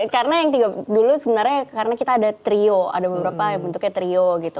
karena yang dulu sebenarnya karena kita ada trio ada beberapa yang bentuknya trio gitu